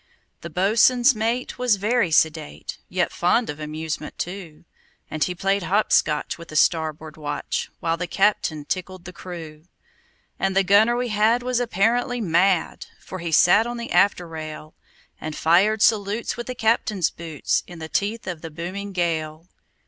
The boatswain's mate was very sedate, Yet fond of amusement, too; And he played hop scotch with the starboard watch, While the captain tickled the crew. And the gunner we had was apparently mad, For he sat on the after rail, And fired salutes with the captain's boots, In the teeth of the booming gale.